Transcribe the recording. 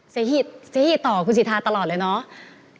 เสหิตต่อคุณสิทธาตลอดเลยเนาะ